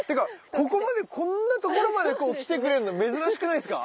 ここまでこんな所までこう来てくれんの珍しくないですか？